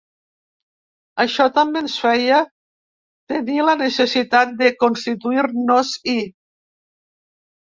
Això també ens feia tenir la necessitat de constituir-nos-hi.